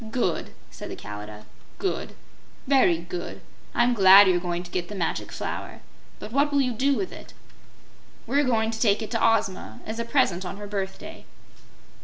"Good!" said the Kalidah. "Good! Very good! I'm glad you're going to get the Magic Flower. But what will you do with it?" "We're going to take it to Ozma, as a present on her birthday."